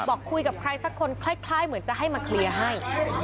บอกคุยกับใครสักคนคล้ายเหมือนจะให้มาเคลียร์ให้